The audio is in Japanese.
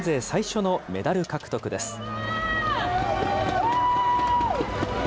最初のメダル獲得です。